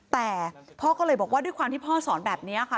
แต่พ่อก็เลยบอกว่าด้วยความที่พ่อสอนแบบนี้ค่ะ